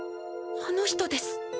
あの人です。